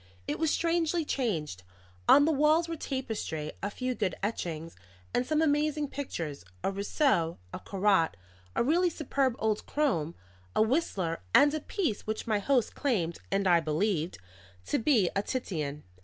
It was strangely changed. On the walls were tapestry, a few good etchings, and some amazing pictures a Rousseau, a Corot, a really superb old Crome, a Whistler, and a piece which my host claimed (and I believe) to be a Titian.